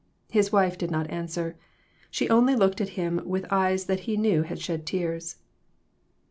His wife did not answer. She only looked at him with eyes that he knew had shed tears.